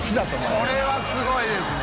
これはすごいですね！